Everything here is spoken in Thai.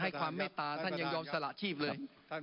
ความเมตตาท่านยังยอมสละชีพเลย